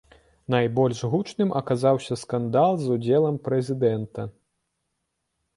Найбольш гучным аказаўся скандал з удзелам прэзідэнта.